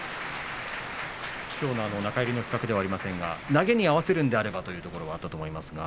きょうの中入りの企画ではありませんが投げに合わせるのであれば、というところがあったかもしれませんが。